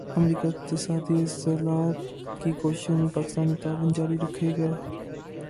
امریکا اقتصادی اصلاحات کی کوششوں میں پاکستان سے تعاون جاری رکھے گا